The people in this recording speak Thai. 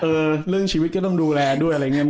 เรื่องชีวิตก็ต้องดูแลด้วยอะไรอย่างนี้